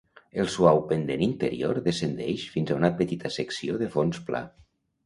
El suau pendent interior descendeix fins a una petita secció de fons pla.